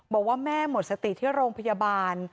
บอกว่าแม่หมดสติที่โรงพยาบาล